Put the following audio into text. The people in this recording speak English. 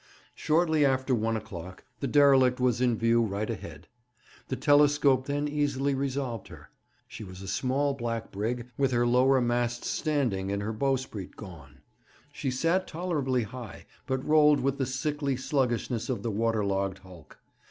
Shortly after one o'clock the derelict was in view right ahead. The telescope then easily resolved her. She was a small black brig, with her lower masts standing and bowsprit gone. She sat tolerably high, but rolled with the sickly sluggishness of the waterlogged hulk.